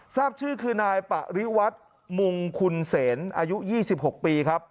ทราบชื่อคือนายปริวัติมุงคุณเสนอายุ๒๖ปีครับ